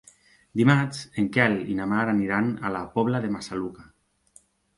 Dimarts en Quel i na Mar aniran a la Pobla de Massaluca.